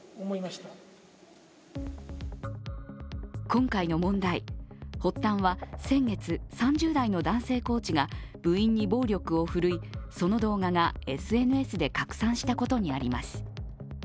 今回の問題、発端は先月３０代の男性コーチが部員に暴力を振るい、その動画がＳＮＳで拡散したことにあります。